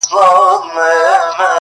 لا هنوز لرم يو لاس او يوه سترگه!!